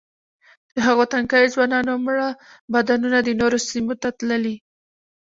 د هغو تنکیو ځوانانو مړه بدنونه د نورو سیمو ته تللي.